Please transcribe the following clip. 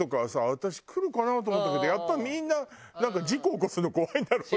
私来るかな？と思ったけどやっぱりみんな事故起こすの怖いんだろうね。